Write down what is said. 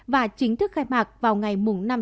và chính thức khai bạc vào ngày năm bốn